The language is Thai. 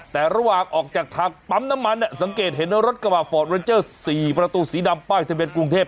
แต่ระหว่างออกจากทางปั๊มน้ำมันสังเกตเห็นว่ารถกระบะฟอร์ดเรนเจอร์๔ประตูสีดำป้ายทะเบียนกรุงเทพ